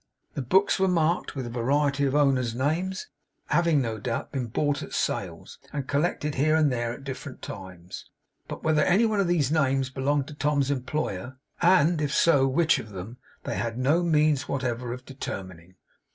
The books were marked with a variety of owner's names, having, no doubt, been bought at sales, and collected here and there at different times; but whether any one of these names belonged to Tom's employer, and, if so, which of them, they had no means whatever of determining.